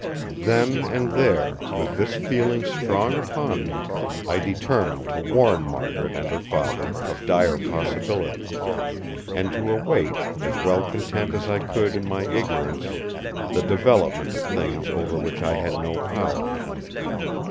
Then and there, with this feeling strong upon me, I determined to warn Margaret and her father of dire possibilities; and to await, as well content as I could in my ignorance, the development of things over which I had no power.